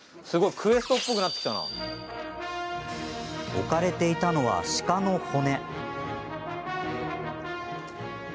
置かれていたのは鹿の骨。